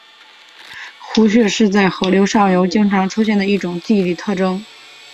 壶穴是在河流上游经常出现的一种地理特征。